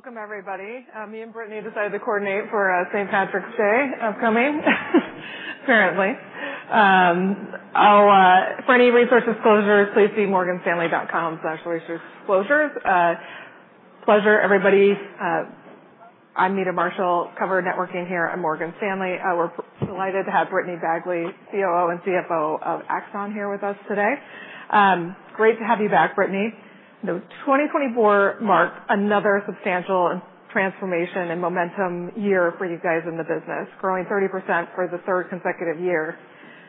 Welcome, everybody. Me and Brittany decided to coordinate for St. Patrick's Day upcoming, apparently. For any risk disclosures, please see morganstanley.com/riskdisclosures. Pleasure, everybody. I'm Meta Marshall, covering Networking here at Morgan Stanley. We're delighted to have Brittany Bagley, COO and CFO of Axon, here with us today. Great to have you back, Brittany. The 2024 marked another substantial transformation and momentum year for you guys in the business, growing 30% for the third consecutive year.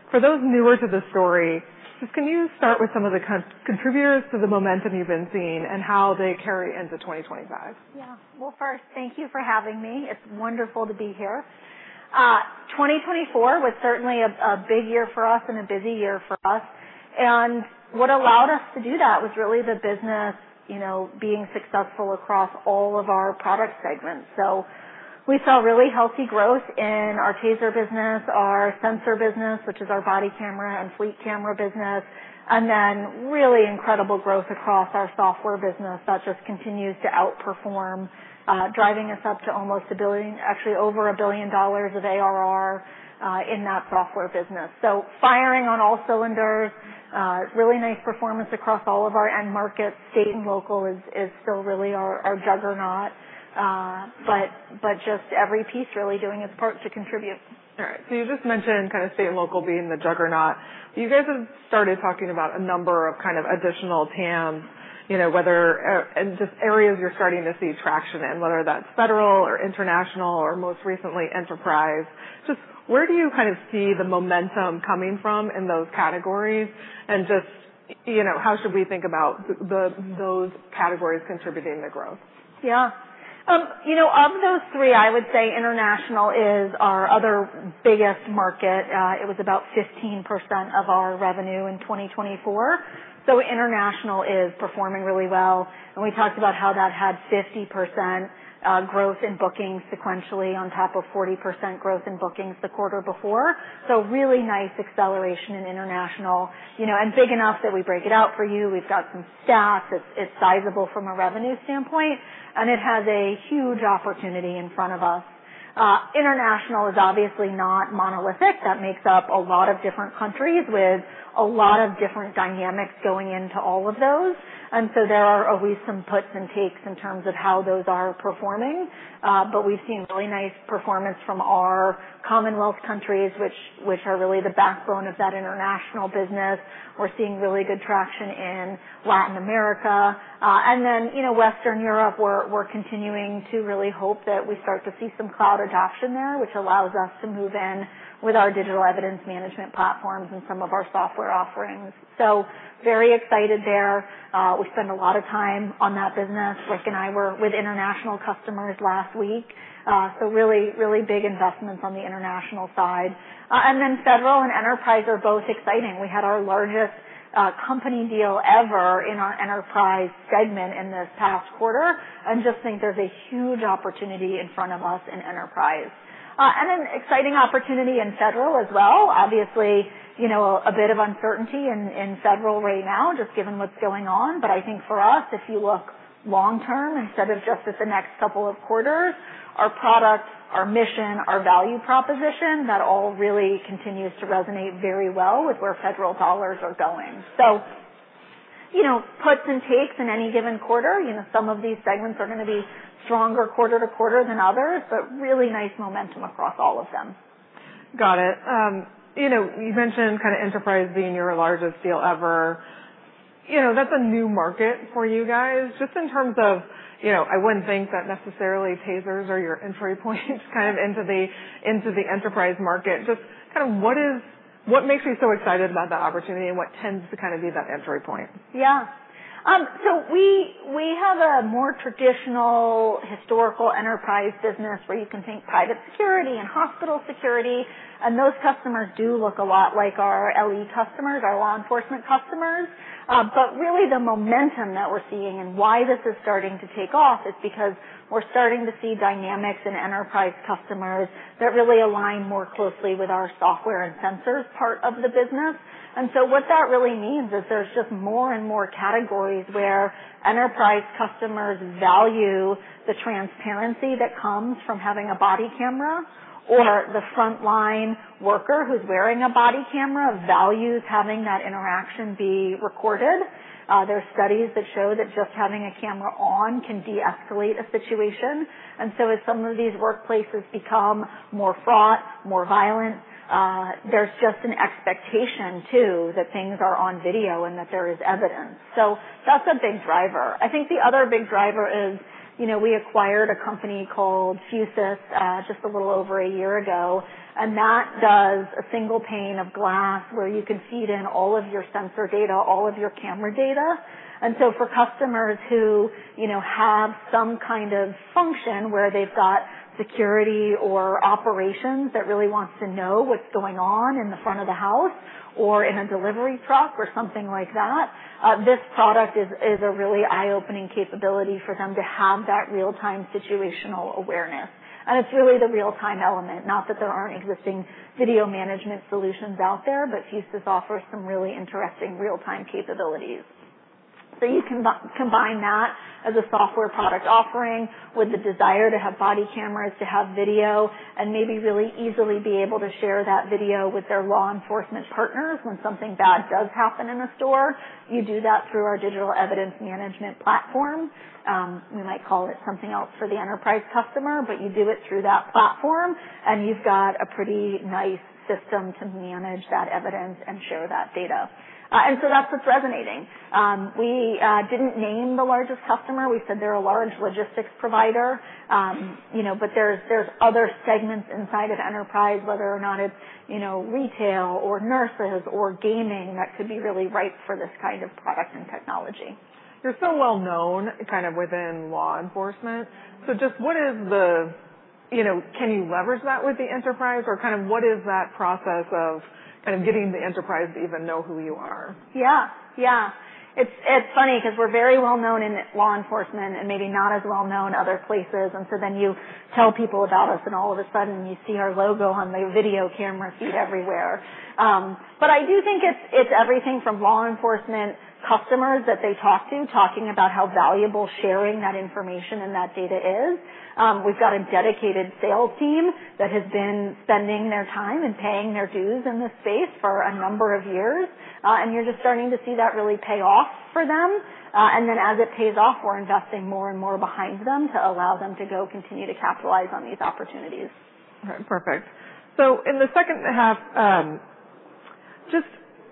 For those newer to the story, just can you start with some of the contributors to the momentum you've been seeing and how they carry into 2025? Yeah. Well, first, thank you for having me. It's wonderful to be here. 2024 was certainly a big year for us and a busy year for us. And what allowed us to do that was really the business being successful across all of our product segments. So we saw really healthy growth in our TASER business, our sensor business, which is our body camera and fleet camera business, and then really incredible growth across our software business that just continues to outperform, driving us up to almost a billion, actually over $1 billion of ARR in that software business. So firing on all cylinders, really nice performance across all of our end markets, state and local is still really our juggernaut. But just every piece really doing its part to contribute. All right. So you just mentioned kind of state and local being the juggernaut. You guys have started talking about a number of kind of additional TAMs, whether just areas you're starting to see traction in, whether that's federal or international or most recently enterprise. Just where do you kind of see the momentum coming from in those categories? And just how should we think about those categories contributing to growth? Yeah. Of those three, I would say international is our other biggest market. It was about 15% of our revenue in 2024. So international is performing really well. And we talked about how that had 50% growth in bookings sequentially on top of 40% growth in bookings the quarter before. So really nice acceleration in international and big enough that we break it out for you. We've got some stats. It's sizable from a revenue standpoint, and it has a huge opportunity in front of us. International is obviously not monolithic. That makes up a lot of different countries with a lot of different dynamics going into all of those. And so there are always some puts and takes in terms of how those are performing. But we've seen really nice performance from our Commonwealth countries, which are really the backbone of that international business. We're seeing really good traction in Latin America. And then Western Europe, we're continuing to really hope that we start to see some cloud adoption there, which allows us to move in with our digital evidence management platforms and some of our software offerings. So very excited there. We spend a lot of time on that business. Rick and I were with international customers last week. So really, really big investments on the international side. And then federal and enterprise are both exciting. We had our largest company deal ever in our enterprise segment in this past quarter. And just think there's a huge opportunity in front of us in enterprise. And an exciting opportunity in federal as well. Obviously, a bit of uncertainty in federal right now, just given what's going on. But I think for us, if you look long-term instead of just at the next couple of quarters, our product, our mission, our value proposition, that all really continues to resonate very well with where federal dollars are going. So puts and takes in any given quarter. Some of these segments are going to be stronger quarter to quarter than others, but really nice momentum across all of them. Got it. You mentioned kind of enterprise being your largest deal ever. That's a new market for you guys. Just in terms of, I wouldn't think that necessarily TASERs are your entry point kind of into the enterprise market. Just kind of what makes you so excited about that opportunity and what tends to kind of be that entry point? Yeah. So we have a more traditional historical enterprise business where you can think private security and hospital security, and those customers do look a lot like our LE customers, our law enforcement customers, but really the momentum that we're seeing and why this is starting to take off is because we're starting to see dynamics in enterprise customers that really align more closely with our software and sensors part of the business, and so what that really means is there's just more and more categories where enterprise customers value the transparency that comes from having a body camera or the frontline worker who's wearing a body camera values having that interaction be recorded. There are studies that show that just having a camera on can de-escalate a situation. And so as some of these workplaces become more fraught, more violent, there's just an expectation too that things are on video and that there is evidence. So that's a big driver. I think the other big driver is we acquired a company called Fusus just a little over a year ago. And that does a single pane of glass where you can feed in all of your sensor data, all of your camera data. And so for customers who have some kind of function where they've got security or operations that really wants to know what's going on in the front of the house or in a delivery truck or something like that, this product is a really eye-opening capability for them to have that real-time situational awareness. It's really the real-time element, not that there aren't existing video management solutions out there, but Fusus offers some really interesting real-time capabilities. So you can combine that as a software product offering with the desire to have body cameras, to have video, and maybe really easily be able to share that video with their law enforcement partners when something bad does happen in a store. You do that through our digital evidence management platform. We might call it something else for the enterprise customer, but you do it through that platform. And you've got a pretty nice system to manage that evidence and share that data. And so that's what's resonating. We didn't name the largest customer. We said they're a large logistics provider. But there's other segments inside of enterprise, whether or not it's retail or nurses or gaming that could be really ripe for this kind of product and technology. You're so well-known, kind of, within law enforcement. So just can you leverage that with the enterprise? Or kind of what is that process of kind of getting the enterprise to even know who you are? Yeah. Yeah. It's funny because we're very well-known in law enforcement and maybe not as well-known other places. And so then you tell people about us and all of a sudden you see our logo on the video camera feed everywhere. But I do think it's everything from law enforcement customers that they talk to, talking about how valuable sharing that information and that data is. We've got a dedicated sales team that has been spending their time and paying their dues in this space for a number of years. And you're just starting to see that really pay off for them. And then as it pays off, we're investing more and more behind them to allow them to go continue to capitalize on these opportunities. Perfect. So in the second half, just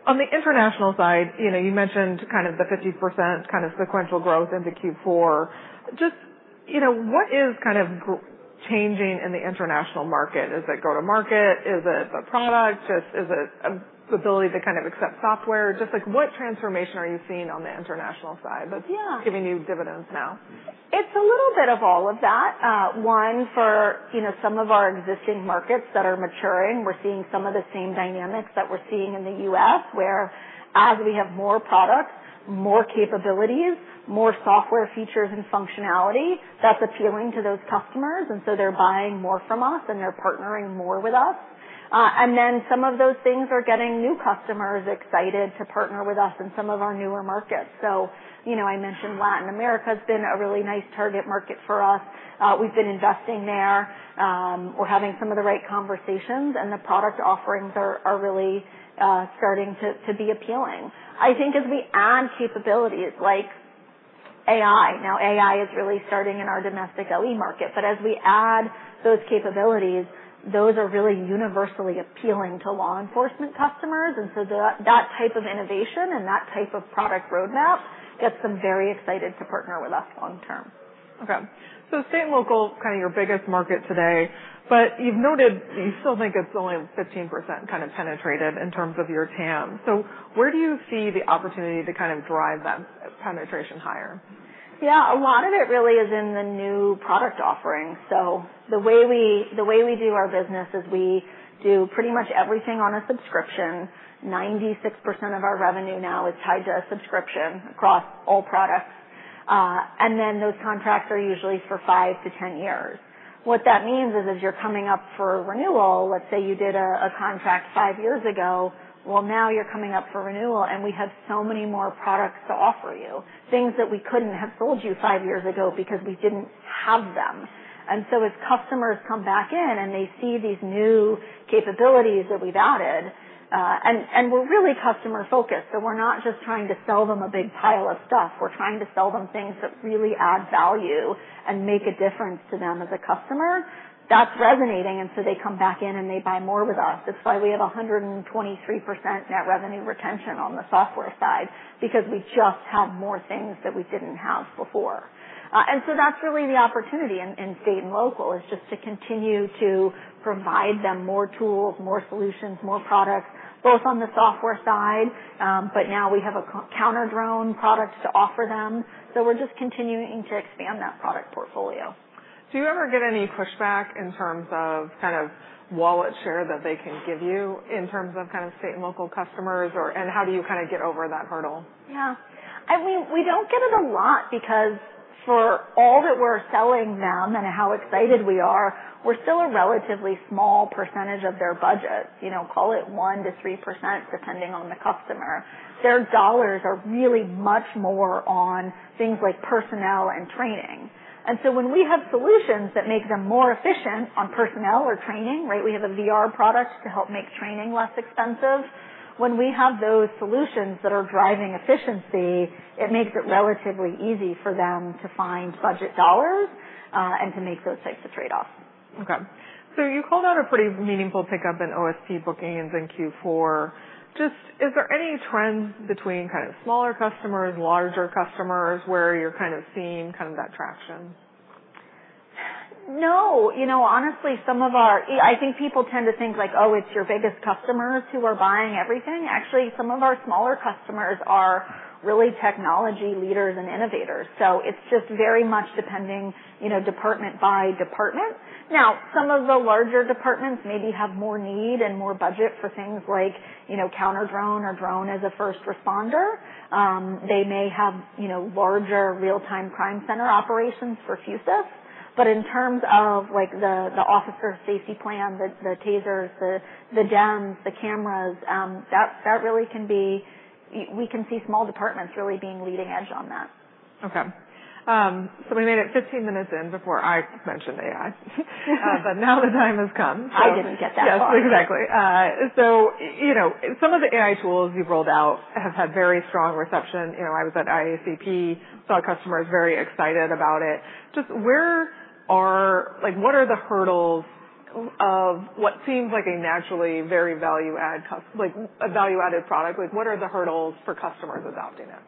on the international side, you mentioned kind of the 50% kind of sequential growth into Q4. Just what is kind of changing in the international market? Is it go-to-market? Is it the product? Is it the ability to kind of accept software? Just what transformation are you seeing on the international side that's giving you dividends now? It's a little bit of all of that. One, for some of our existing markets that are maturing, we're seeing some of the same dynamics that we're seeing in the U.S., where as we have more products, more capabilities, more software features and functionality, that's appealing to those customers. And so they're buying more from us and they're partnering more with us. And then some of those things are getting new customers excited to partner with us in some of our newer markets. So I mentioned Latin America has been a really nice target market for us. We've been investing there. We're having some of the right conversations, and the product offerings are really starting to be appealing. I think as we add capabilities like AI, now AI is really starting in our domestic LE market. But as we add those capabilities, those are really universally appealing to law enforcement customers. And so that type of innovation and that type of product roadmap gets them very excited to partner with us long-term. Okay. So state and local [is] kind of your biggest market today. But you've noted you still think it's only 15% kind of penetrated in terms of your TAM. So where do you see the opportunity to kind of drive that penetration higher? Yeah. A lot of it really is in the new product offering, so the way we do our business is we do pretty much everything on a subscription. 96% of our revenue now is tied to a subscription across all products, and then those contracts are usually for five to 10 years. What that means is as you're coming up for renewal, let's say you did a contract five years ago, well, now you're coming up for renewal, and we have so many more products to offer you, things that we couldn't have sold you five years ago because we didn't have them, and so as customers come back in and they see these new capabilities that we've added, and we're really customer-focused, so we're not just trying to sell them a big pile of stuff. We're trying to sell them things that really add value and make a difference to them as a customer. That's resonating, and so they come back in and they buy more with us. That's why we have 123% net revenue retention on the software side because we just have more things that we didn't have before. And so that's really the opportunity in state and local, which is just to continue to provide them more tools, more solutions, more products, both on the software side, but now we have a counter-drone product to offer them, so we're just continuing to expand that product portfolio. Do you ever get any pushback in terms of kind of wallet share that they can give you in terms of kind of state and local customers, and how do you kind of get over that hurdle? Yeah. I mean, we don't get it a lot because for all that we're selling them and how excited we are, we're still a relatively small percentage of their budget. Call it 1%-3% depending on the customer. Their dollars are really much more on things like personnel and training, and so when we have solutions that make them more efficient on personnel or training, right, we have a VR product to help make training less expensive. When we have those solutions that are driving efficiency, it makes it relatively easy for them to find budget dollars and to make those types of trade-offs. Okay. So you called out a pretty meaningful pickup in OSP bookings in Q4. Just, is there any trends between kind of smaller customers, larger customers where you're kind of seeing that traction? No. Honestly, some of our—I think—people tend to think like, "Oh, it's your biggest customers who are buying everything." Actually, some of our smaller customers are really technology leaders and innovators. So it's just very much depending department by department. Now, some of the larger departments maybe have more need and more budget for things like counter-drone or drone as a first responder. They may have larger real-time crime center operations for Fusus. But in terms of the Officer Safety Plan, the TASERs, the DEMS, the cameras, that really can be—we can see small departments really being leading edge on that. Okay. So we made it 15 minutes in before I mentioned AI. But now the time has come. I didn't get that far. Yes, exactly. So some of the AI tools you've rolled out have had very strong reception. I was at IACP, saw customers very excited about it. Just what are the hurdles of what seems like a naturally very value-added product? What are the hurdles for customers adopting it?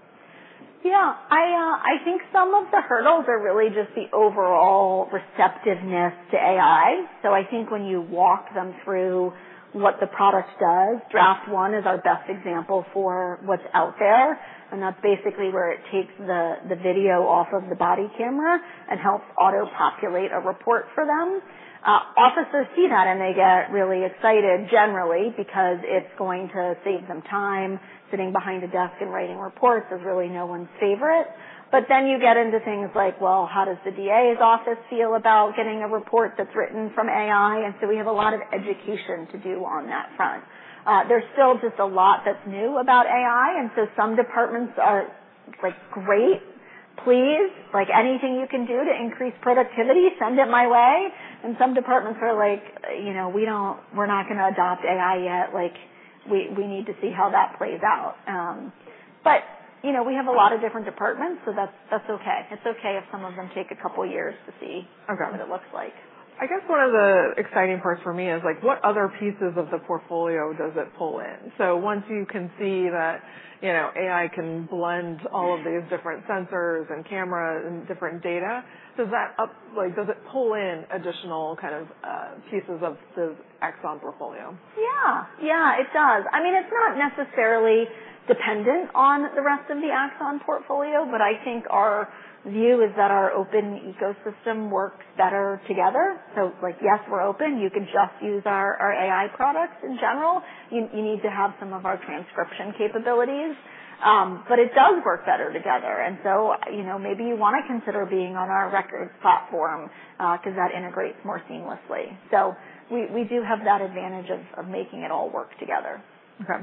Yeah. I think some of the hurdles are really just the overall receptiveness to AI. So I think when you walk them through what the product does, Draft One is our best example for what's out there. And that's basically where it takes the video off of the body camera and helps auto-populate a report for them. Officers see that and they get really excited generally because it's going to save them time. Sitting behind a desk and writing reports is really no one's favorite. But then you get into things like, "Well, how does the DA's office feel about getting a report that's written from AI?" And so we have a lot of education to do on that front. There's still just a lot that's new about AI. And so some departments are like, "Great. Please, anything you can do to increase productivity, send it my way," and some departments are like, "We're not going to adopt AI yet. We need to see how that plays out," but we have a lot of different departments, so that's okay. It's okay if some of them take a couple of years to see what it looks like. I guess one of the exciting parts for me is what other pieces of the portfolio does it pull in? So once you can see that AI can blend all of these different sensors and cameras and different data, does it pull in additional kind of pieces of the Axon portfolio? Yeah. Yeah, it does. I mean, it's not necessarily dependent on the rest of the Axon portfolio, but I think our view is that our open ecosystem works better together, so yes, we're open. You can just use our AI products in general. You need to have some of our transcription capabilities. But it does work better together, and so maybe you want to consider being on our records platform because that integrates more seamlessly, so we do have that advantage of making it all work together. Okay.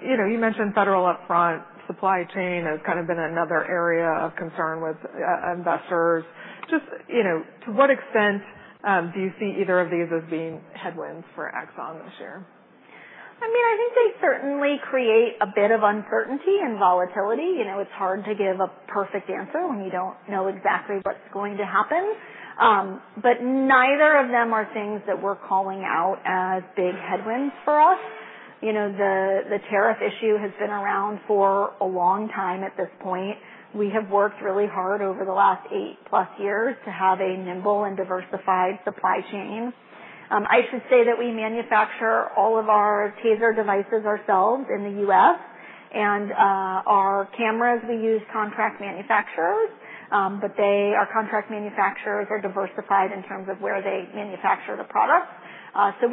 You mentioned federal upfront supply chain has kind of been another area of concern with investors. Just to what extent do you see either of these as being headwinds for Axon this year? I mean, I think they certainly create a bit of uncertainty and volatility. It's hard to give a perfect answer when you don't know exactly what's going to happen. But neither of them are things that we're calling out as big headwinds for us. The tariff issue has been around for a long time at this point. We have worked really hard over the last eight-plus years to have a nimble and diversified supply chain. I should say that we manufacture all of our TASER devices ourselves in the U.S., and our cameras, we use contract manufacturers, but our contract manufacturers are diversified in terms of where they manufacture the products, so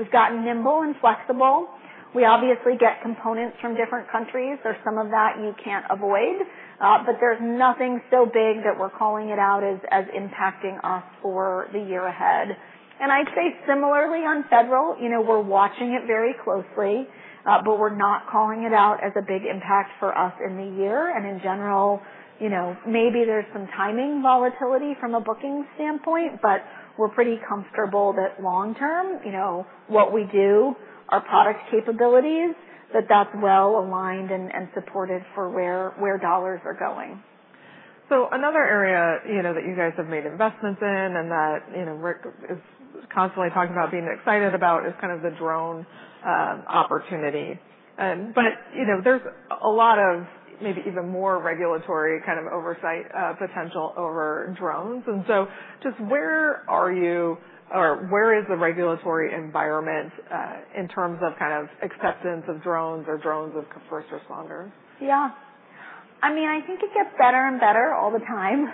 we've gotten nimble and flexible. We obviously get components from different countries. There's some of that you can't avoid. But there's nothing so big that we're calling it out as impacting us for the year ahead. I'd say similarly on federal, we're watching it very closely, but we're not calling it out as a big impact for us in the year. In general, maybe there's some timing volatility from a booking standpoint, but we're pretty comfortable that long-term, what we do, our product capabilities, that that's well aligned and supported for where dollars are going. Another area that you guys have made investments in and that Rick is constantly talking about being excited about is kind of the drone opportunity. But there's a lot of maybe even more regulatory kind of oversight potential over drones. And so just where are you or where is the regulatory environment in terms of kind of acceptance of drones or drones as first responders? Yeah. I mean, I think it gets better and better all the time.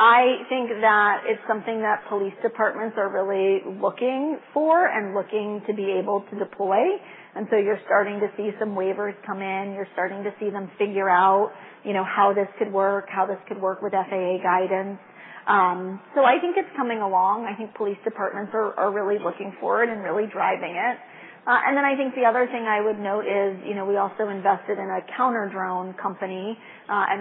I think that it's something that police departments are really looking for and looking to be able to deploy, and so you're starting to see some waivers come in. You're starting to see them figure out how this could work, how this could work with FAA guidance. So I think it's coming along. I think police departments are really looking for it and really driving it, and then I think the other thing I would note is we also invested in a counter-drone company.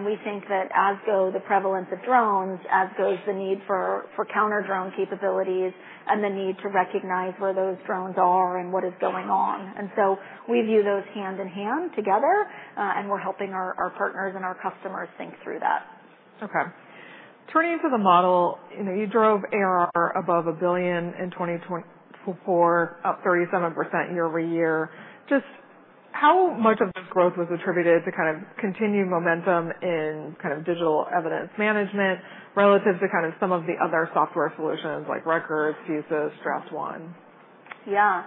We think that as go the prevalence of drones, as goes the need for counter-drone capabilities and the need to recognize where those drones are and what is going on, and so we view those hand in hand together, and we're helping our partners and our customers think through that. Okay. Turning to the model, you drove ARR above a billion in 2024, up 37% year-over-year. Just how much of this growth was attributed to kind of continued momentum in kind of digital evidence management relative to kind of some of the other software solutions like records, Fusus, Draft One? Yeah.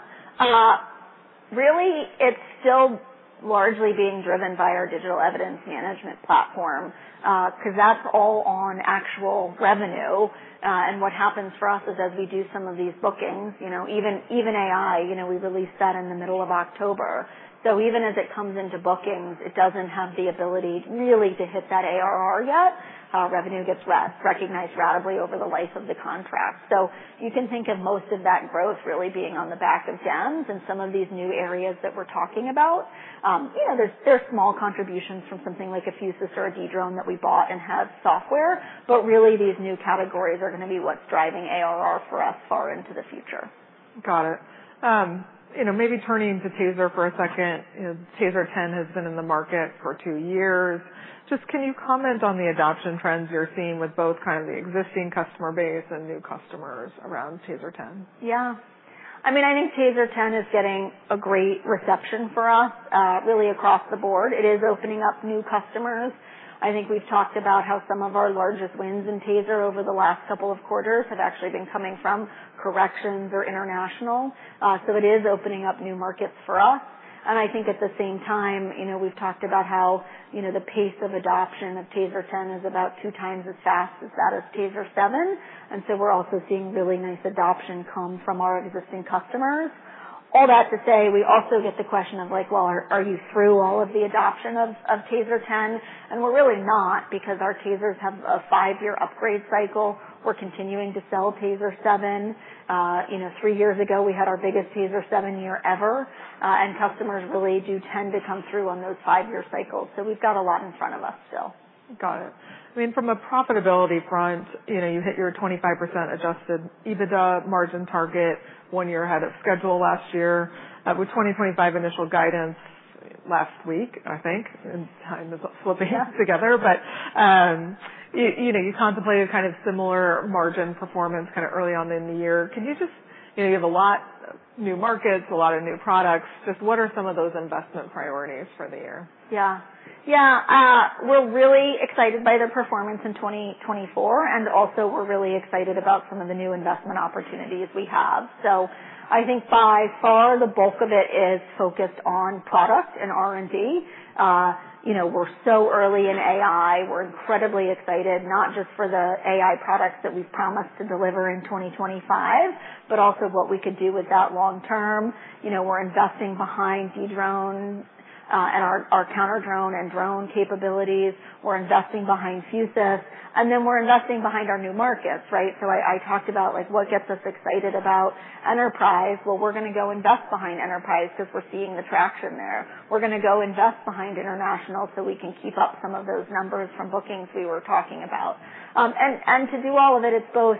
Really, it's still largely being driven by our digital evidence management platform because that's all on actual revenue. And what happens for us is as we do some of these bookings, even AI, we released that in the middle of October. So even as it comes into bookings, it doesn't have the ability really to hit that ARR yet. Revenue gets recognized ratably over the life of the contract. So you can think of most of that growth really being on the back of DEMS and some of these new areas that we're talking about. There's small contributions from something like Fusus or Dedrone that we bought and have software. But really, these new categories are going to be what's driving ARR for us far into the future. Got it. Maybe turning to TASER for a second. TASER 10 has been in the market for two years. Just can you comment on the adoption trends you're seeing with both kind of the existing customer base and new customers around TASER 10? Yeah. I mean, I think TASER 10 is getting a great reception for us really across the board. It is opening up new customers. I think we've talked about how some of our largest wins in TASER over the last couple of quarters have actually been coming from corrections or international. So it is opening up new markets for us. And I think at the same time, we've talked about how the pace of adoption of TASER 10 is about two times as fast as that of TASER 7. And so we're also seeing really nice adoption come from our existing customers. All that to say, we also get the question of like, "Well, are you through all of the adoption of TASER 10?" And we're really not because our TASERs have a five-year upgrade cycle. We're continuing to sell TASER 7. Three years ago, we had our biggest TASER 7 year ever. And customers really do tend to come through on those five-year cycles. So we've got a lot in front of us still. Got it. I mean, from a profitability front, you hit your 25% adjusted EBITDA margin target one year ahead of schedule last year, with 2025 initial guidance last week, I think. Time is slipping together. But you contemplated kind of similar margin performance kind of early on in the year. Can you just have a lot of new markets, a lot of new products. Just what are some of those investment priorities for the year? Yeah. Yeah. We're really excited by the performance in 2024. And also, we're really excited about some of the new investment opportunities we have. So I think by far, the bulk of it is focused on product and R&D. We're so early in AI. We're incredibly excited not just for the AI products that we've promised to deliver in 2025, but also what we could do with that long term. We're investing behind Dedrone and our counter-drone and drone capabilities. We're investing behind Fusus. And then we're investing behind our new markets, right? So I talked about what gets us excited about enterprise. Well, we're going to go invest behind enterprise because we're seeing the traction there. We're going to go invest behind international so we can keep up some of those numbers from bookings we were talking about. And to do all of it, it's both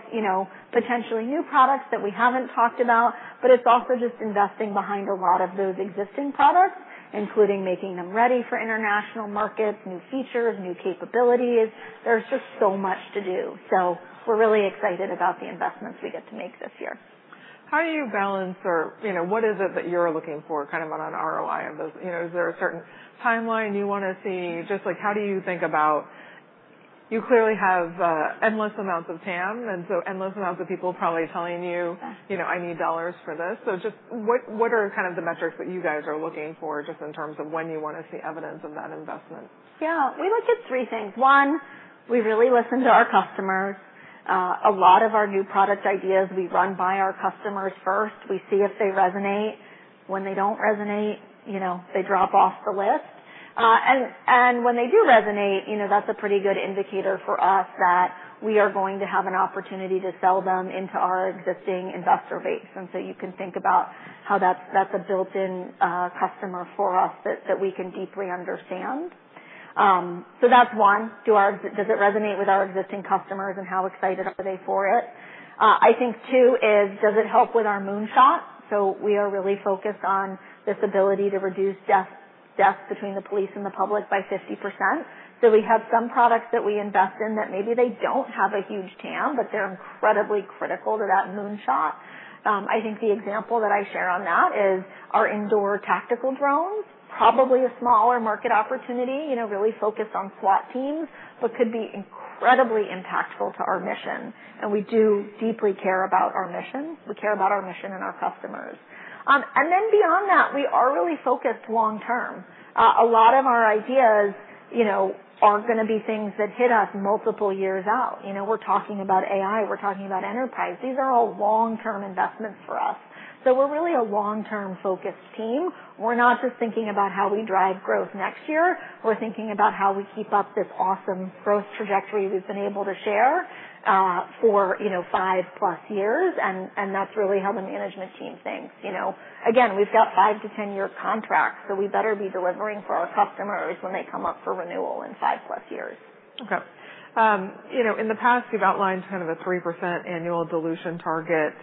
potentially new products that we haven't talked about, but it's also just investing behind a lot of those existing products, including making them ready for international markets, new features, new capabilities. There's just so much to do. So we're really excited about the investments we get to make this year. How do you balance or what is it that you're looking for kind of on an ROI of those? Is there a certain timeline you want to see? Just how do you think about? You clearly have endless amounts of TAM and so endless amounts of people probably telling you, "I need dollars for this." So just what are kind of the metrics that you guys are looking for just in terms of when you want to see evidence of that investment? Yeah. We look at three things. One, we really listen to our customers. A lot of our new product ideas, we run by our customers first. We see if they resonate. When they don't resonate, they drop off the list. And when they do resonate, that's a pretty good indicator for us that we are going to have an opportunity to sell them into our existing customer base. And so you can think about how that's a built-in customer for us that we can deeply understand. So that's one. Does it resonate with our existing customers and how excited are they for it? I think two is, does it help with our moonshot? So we are really focused on this ability to reduce deaths between the police and the public by 50%. We have some products that we invest in that maybe they don't have a huge TAM, but they're incredibly critical to that moonshot. I think the example that I share on that is our indoor tactical drones, probably a smaller market opportunity, really focused on SWAT teams, but could be incredibly impactful to our mission. And we do deeply care about our mission. We care about our mission and our customers. And then beyond that, we are really focused long term. A lot of our ideas are going to be things that hit us multiple years out. We're talking about AI. We're talking about enterprise. These are all long-term investments for us. So we're really a long-term focused team. We're not just thinking about how we drive growth next year. We're thinking about how we keep up this awesome growth trajectory we've been able to share for five-plus years. That's really how the management team thinks. Again, we've got five-to-ten-year contracts. We better be delivering for our customers when they come up for renewal in five-plus years. Okay. In the past, you've outlined kind of a 3% annual dilution target.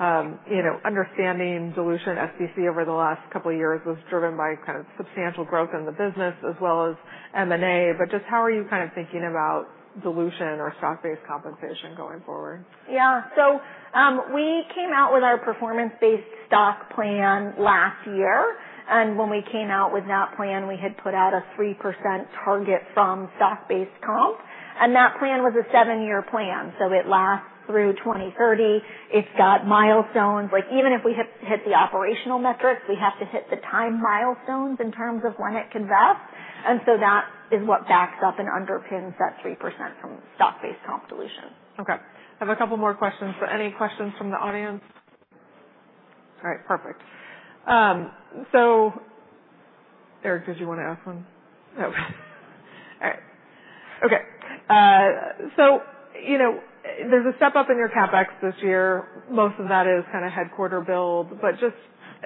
Understanding dilution SBC over the last couple of years was driven by kind of substantial growth in the business as well as M&A. But just how are you kind of thinking about dilution or stock-based compensation going forward? Yeah, so we came out with our performance-based stock plan last year, and when we came out with that plan, we had put out a 3% target from stock-based comp, and that plan was a seven-year plan, so it lasts through 2030. It's got milestones. Even if we hit the operational metrics, we have to hit the time milestones in terms of when it can vest, and so that is what backs up and underpins that 3% from stock-based comp dilution. Okay. I have a couple more questions. But any questions from the audience? All right. Perfect. So Eric, did you want to ask one? No. All right. Okay. So there's a step up in your CapEx this year. Most of that is kind of headquarters build, but just.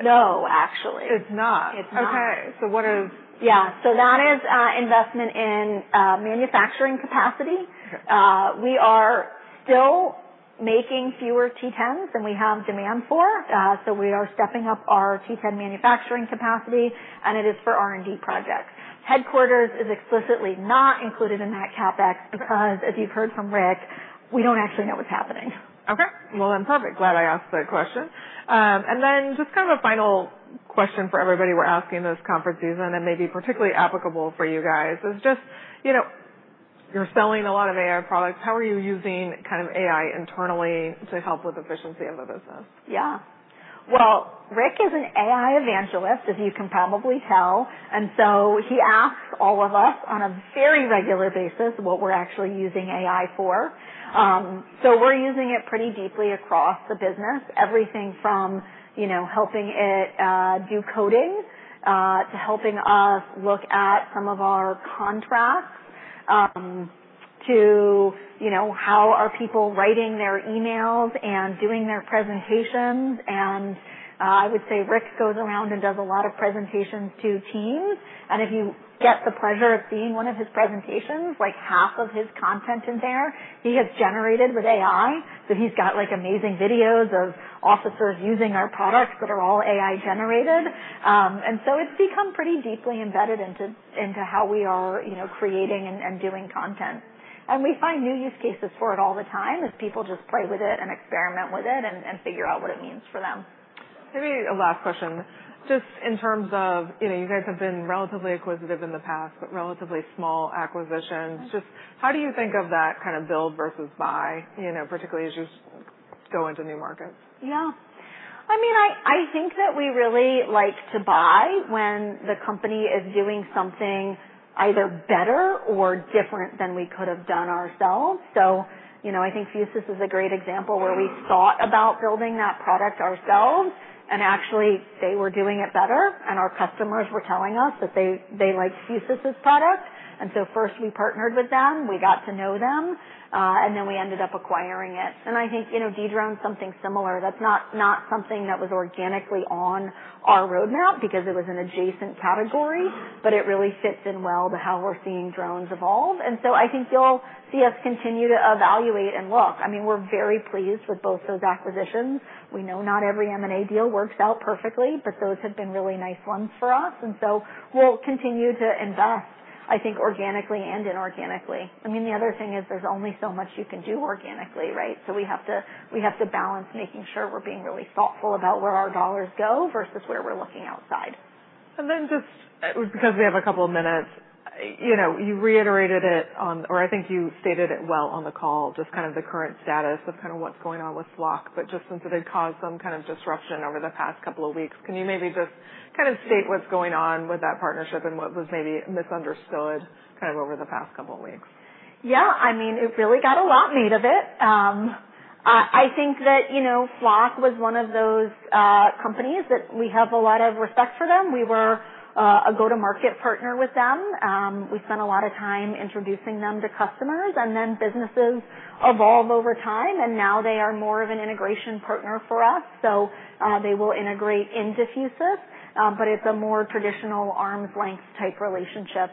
No, actually. It's not? It's not. Okay. So what is? Yeah, so that is investment in manufacturing capacity. We are still making fewer T10 than we have demand for. So we are stepping up our T10 manufacturing capacity, and it is for R&D projects. Headquarters is explicitly not included in that CapEx because, as you've heard from Rick, we don't actually know what's happening. Okay. Well, then perfect. Glad I asked that question, and then just kind of a final question for everybody we're asking this conference season, and maybe particularly applicable for you guys, is just you're selling a lot of AI products. How are you using kind of AI internally to help with efficiency of the business? Yeah. Well, Rick is an AI evangelist, as you can probably tell. And so he asks all of us on a very regular basis what we're actually using AI for. So we're using it pretty deeply across the business, everything from helping it do coding to helping us look at some of our contracts to how are people writing their emails and doing their presentations. And I would say Rick goes around and does a lot of presentations to teams. And if you get the pleasure of seeing one of his presentations, like half of his content in there, he has generated with AI. So he's got amazing videos of officers using our products that are all AI-generated. And so it's become pretty deeply embedded into how we are creating and doing content. We find new use cases for it all the time as people just play with it and experiment with it and figure out what it means for them. Maybe a last question. Just in terms of you guys have been relatively acquisitive in the past, but relatively small acquisitions. Just how do you think of that kind of build versus buy, particularly as you go into new markets? Yeah. I mean, I think that we really like to buy when the company is doing something either better or different than we could have done ourselves. So I think Fusus is a great example where we thought about building that product ourselves, and actually they were doing it better. And our customers were telling us that they liked Fusus' product. And so first we partnered with them. We got to know them. And then we ended up acquiring it. And I think Dedrone, something similar. That's not something that was organically on our roadmap because it was an adjacent category, but it really fits in well to how we're seeing drones evolve. And so I think you'll see us continue to evaluate and look. I mean, we're very pleased with both those acquisitions. We know not every M&A deal works out perfectly, but those have been really nice ones for us. And so we'll continue to invest, I think, organically and inorganically. I mean, the other thing is there's only so much you can do organically, right? So we have to balance making sure we're being really thoughtful about where our dollars go versus where we're looking outside. Just because we have a couple of minutes, you reiterated it on, or I think you stated it well on the call, just kind of the current status of kind of what's going on with Flock, but just since it had caused some kind of disruption over the past couple of weeks, can you maybe just kind of state what's going on with that partnership and what was maybe misunderstood kind of over the past couple of weeks? Yeah. I mean, it really got a lot made of it. I think that Flock was one of those companies that we have a lot of respect for them. We were a go-to-market partner with them. We spent a lot of time introducing them to customers, and then businesses evolve over time, and now they are more of an integration partner for us. So they will integrate into Fusus, but it's a more traditional arm's length type relationship,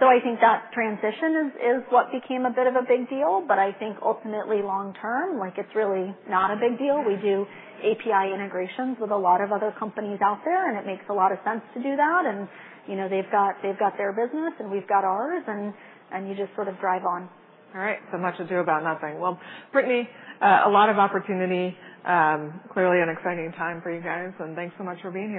so I think that transition is what became a bit of a big deal. But I think ultimately, long term, it's really not a big deal. We do API integrations with a lot of other companies out there, and it makes a lot of sense to do that, and they've got their business, and we've got ours, and you just sort of drive on. All right. So much to do about nothing. Well, Brittany, a lot of opportunity, clearly an exciting time for you guys. And thanks so much for being here.